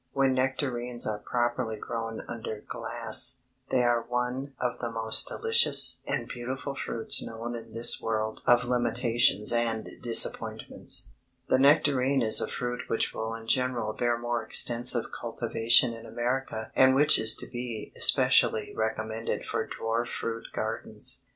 When nectarines are properly grown under glass, they are one of the most delicious and beautiful fruits known in this world of limitations and disappointments. The nectarine is a fruit which will in general bear more extensive cultivation in America and which is to be especially recommended for dwarf fruit gardens.